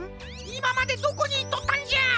いままでどこにいっとったんじゃ！